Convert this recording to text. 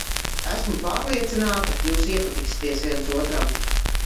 Esmu pārliecināta, jūs iepatiksieties viens otram.